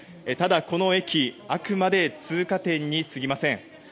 ただ、この駅あくまで通過点に過ぎません。